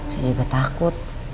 saya juga takut